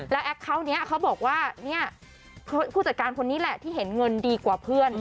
แล้วแอคเคาน์นี้เขาบอกว่าเนี่ยผู้จัดการคนนี้แหละที่เห็นเงินดีกว่าเพื่อน